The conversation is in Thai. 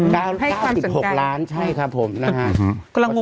ให้ความสำคัญใช่ครับผมนะฮะดังนั้น